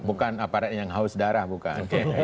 bukan aparat yang haus darah bukan